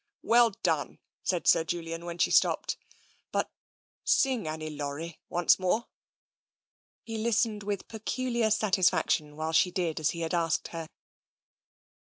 Well done !" said Sir Julian, when she stopped. But sing * Annie Laurie ' once more." He listened with peculiar satisfaction while she did as he had asked her.